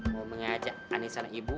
mau ajak anissa anak ibu